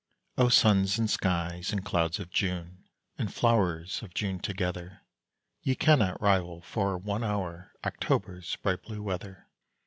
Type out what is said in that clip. O suns and skies and clouds of June, And flowers of June together, Ye cannot rival for one hour October's bright blue weather.